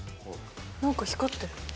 何か光ってる。